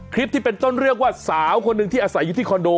คลิปที่เป็นต้นเรื่องว่าสาวคนหนึ่งที่อาศัยอยู่ที่คอนโด